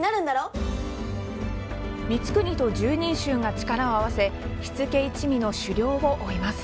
光圀と拾人衆が力を合わせ火付け一味の首領を追います。